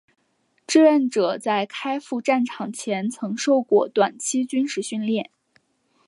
志愿者在开赴战场前曾受过短期军事训练。